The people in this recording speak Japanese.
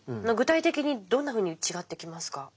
具体的にどんなふうに違ってきますか？